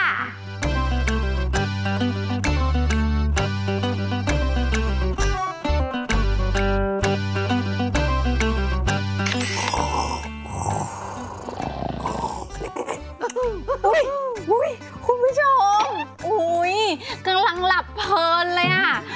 คุณผู้ชมอุ้ยกำลังหลับเพลินเลยอ่ะ